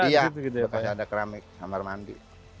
iya ada keramik kamar mandi